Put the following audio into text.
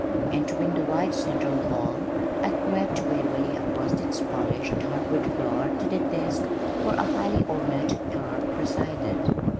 Entering the wide central hall I crept warily across its polished, hardwood floor to the desk where a highly ornate clerk presided.